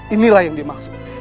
inilah yang dimaksud